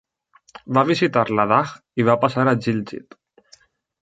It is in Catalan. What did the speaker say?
Va visitar Ladakh i va passar a Gilgit.